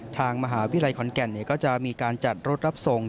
ทางมหาวิทยาลัยขอนแก่นก็จะมีการจัดรถรับส่ง